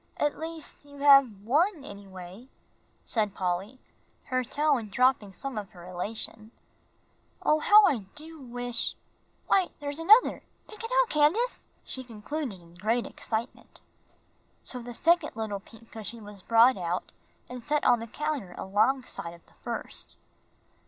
"At least you have one, anyway," said Polly, her tone dropping some of her elation. "Oh, how I do wish why, there's another pick it out, Candace," she concluded in great excitement. So the second little pink cushion was brought out and set on the counter alongside of the first.